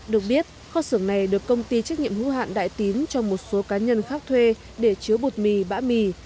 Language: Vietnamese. được biết kho xưởng này được công ty trách nhiệm hữu hạn đại tín cho một số cá nhân khác thuê để chứa bột mì bã mì